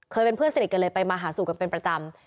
เคยเป็นเพื่อนสนิทกันเลยไปมาหาสู่กันเป็นประจำ